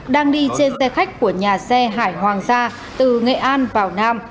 đang đi trên xe khách của nhà xe hải hoàng gia từ nghệ an vào nam